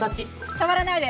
触らないで！